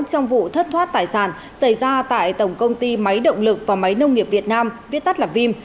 trong vụ thất thoát tài sản xảy ra tại tổng công ty máy động lực và máy nông nghiệp việt nam viết tắt là vim